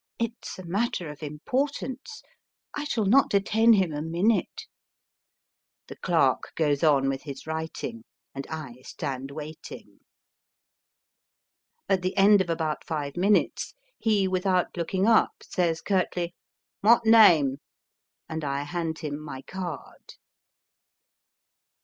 It s a matter of importance. I shall not detain him a minute." The clerk goes on with his writing, and I stand waiting. At the end of about five minutes, he, without looking up, says curtly, " What name ?" and I hand him my card.